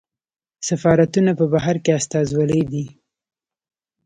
سفارتونه په بهر کې استازولۍ دي